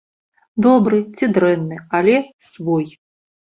Добры ці дрэнны, але свой.